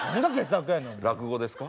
落語ですか？